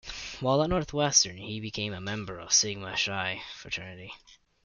While at Northwestern, He became a member of the Sigma Chi fraternity.